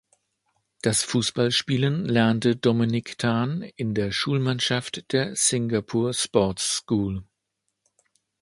Das Fußballspielen lernte Dominic Tan in der Schulmannschaft der Singapore Sports School.